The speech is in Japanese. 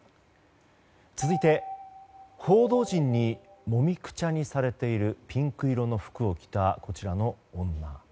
続いて、報道陣にもみくちゃにされているピンク色の服を着たこちらの女。